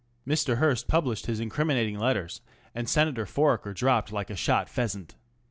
Mr. Hearst published his incriminating letters, and Senator Foraker dropped like a shot pheasant.